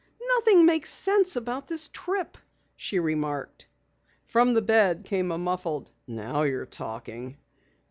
"Nothing makes sense about this trip," she remarked. From the bed came a muffled: "Now you're talking!"